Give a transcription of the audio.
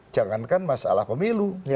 jangankan masalah pemilu